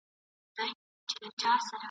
ورته راغی چي طبیب چا ورښودلی..